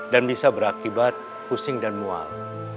dan bisa berakibat pusing dan mual